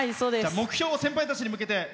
目標を先輩たちに向けて。